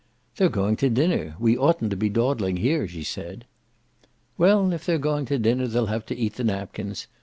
"They're going to dinner; we oughtn't to be dawdling here," she said. "Well, if they're going to dinner they'll have to eat the napkins.